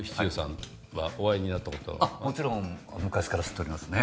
あっもちろん昔から知っておりますね。